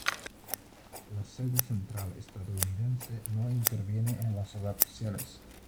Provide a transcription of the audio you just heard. La sede central estadounidense no interviene en las adaptaciones.